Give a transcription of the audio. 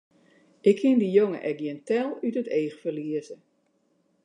Ik kin dy jonge ek gjin tel út it each ferlieze!